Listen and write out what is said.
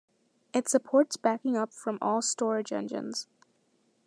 It supports backing up from all storage engines.